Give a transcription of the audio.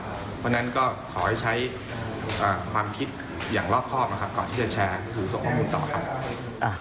เพราะฉะนั้นก็ขอให้ใช้ความคิดอย่างรอบข้อมาก่อนที่จะแชร์ส่งข้อมูลต่อ